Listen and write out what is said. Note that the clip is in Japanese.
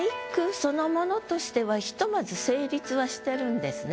そのものとしてはひとまず成立はしてるんですね。